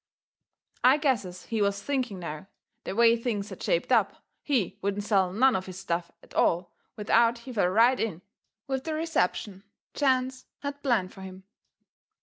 I guesses he was thinking now, the way things had shaped up, he wouldn't sell none of his stuff at all without he fell right in with the reception chance had planned fur him.